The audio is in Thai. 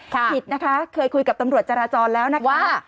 ผิดนะคะเคยคุยกับตำรวจจราจรแล้วนะคะ